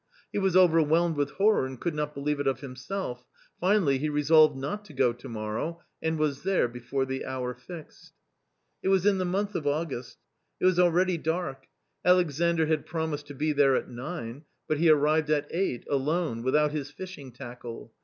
He was overwhelmed with horror and could not believe it of himself ; finally, he resolved not to go to morrow .... and was there before the hour fixed. It was in the month of August. It was already dark. Alexandr had promised to be there at nine, but he arrived at eight, alone, without his fishing tackle.